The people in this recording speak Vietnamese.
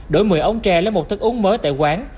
đổi một mươi ống tre lên một thức uống mới tại quán